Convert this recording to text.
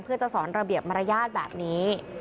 เพื่อจะสอนระเบียบมารยาทแบบนี้